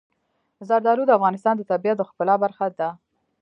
زردالو د افغانستان د طبیعت د ښکلا برخه ده.